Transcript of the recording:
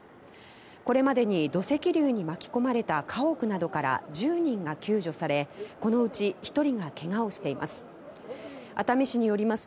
これまでに土石流に巻き込まれた家屋などから１０人が救助され、このうち１人がけがをしています。